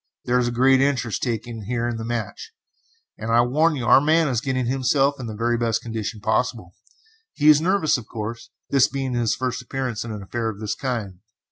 There is a great interest taken here in the match, and I warn you our man is getting himself in the very best condition possible. He is nervous, of course, this being his first appearance in an affair of this kind.